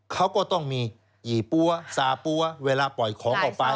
เขาก็ต้องมีหยี่ปั้วสาปั้วเวลาปล่อยของออกไป